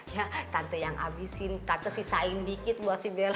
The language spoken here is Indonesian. ya tante yang abisin tante sisain dikit buat si bella